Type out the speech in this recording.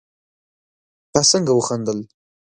تا څنګه وخندل